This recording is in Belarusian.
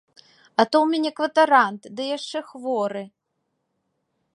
А то ў мяне кватарант, ды яшчэ хворы!